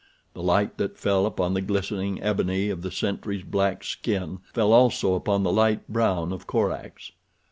The light that fell upon the glistening ebony of the sentry's black skin fell also upon the light brown of Korak's.